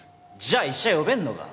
じゃあ医者呼べんのか？